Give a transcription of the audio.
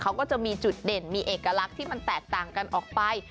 เขาก็จะมีจุดเด่นมีเอกลักษณ์ที่มันแตกต่างกันออกไป